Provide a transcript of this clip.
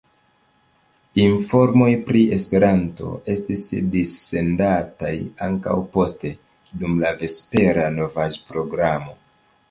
Informoj pri Esperanto estis dissendataj ankaŭ poste dum la vespera novaĵ-programo.